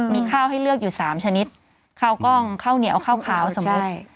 มีข้าวให้เลือกอยู่๓ชนิดข้าวกล้องข้าวเหนียวข้าวขาวสมมุติ